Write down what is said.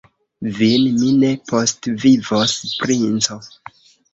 Vin mi ne postvivos, princo!